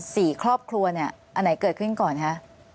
สี่ครอบครัวเนี่ยอันไหนเกิดขึ้นก่อนคะ